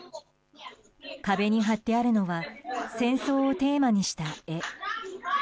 壁に貼ってあるのは戦争をテーマにした絵。